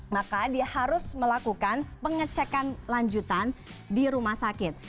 maka dia harus melakukan pengecekan lanjutan di rumah sakit